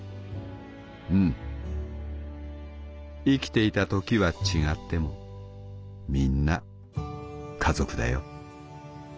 『うん生きていた時は違ってもみんな家族だよ』」。